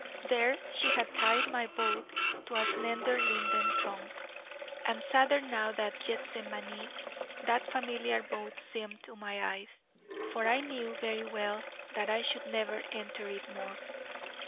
There she had tied my boat to a slender linden trunk: and sadder now than Gethsemane that familiar boat seemed to my eyes, for I knew very well that I should never enter it more.